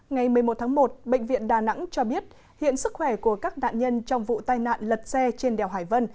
ngày một mươi một tháng một bệnh viện đà nẵng cho biết hiện sức khỏe của các nạn nhân trong vụ tai nạn lật xe trên đèo hải vân